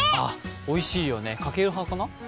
おいしいよね、かける派かな？